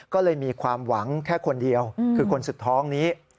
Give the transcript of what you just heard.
ก็เลยมีความหวังแค่คนเดียวคือคนสุดท้องนี้